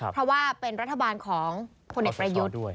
เพราะว่าเป็นรัฐบาลของพลเอกประยุทธ์